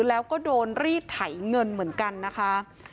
แล้วก็โดนรีดไถเงินเหมือนกันนะคะ